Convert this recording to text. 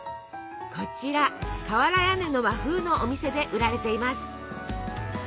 こちら瓦屋根の和風のお店で売られています。